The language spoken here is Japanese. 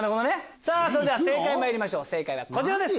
それでは正解まいりましょう正解はこちらです！